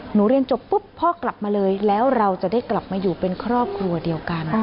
เรียนจบปุ๊บพ่อกลับมาเลยแล้วเราจะได้กลับมาอยู่เป็นครอบครัวเดียวกัน